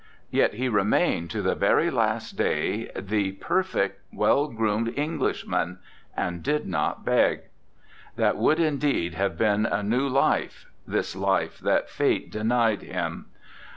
Yet he remained to the very last day the per fect, well groomed Englishman and did not beg. That would indeed have been a new life, this life that fate denied him.